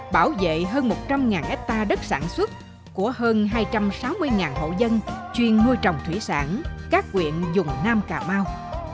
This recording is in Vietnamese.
bảo vệ hơn một trăm linh hectare đất sản xuất của hơn hai trăm sáu mươi hộ dân chuyên nuôi trồng thủy sản các quyện dùng nam cà mau